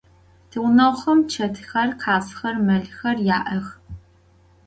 Tiğuneğuxem çetxer, khazxer, melxer ya'ex.